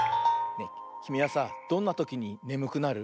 きみはさどんなときにねむくなる？